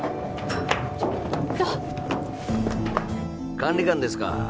ちょっと管理官ですか？